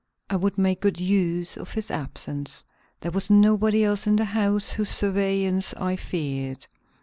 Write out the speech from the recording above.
I would make good use of his absence. There was nobody else in the house whose surveillance I feared.